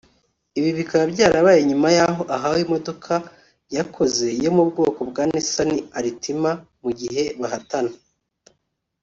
Ibi bikaba byarabaye nyuma y’aho ahawe imodoka yakoze yo mu bwoko bwa Nissan Altima mu gihe bahatana